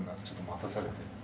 ちょっと待たされて。